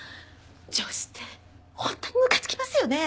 上司って本当にむかつきますよね！